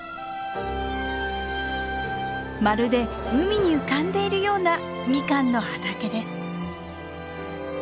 まるで海に浮かんでいるようなミカンの畑です。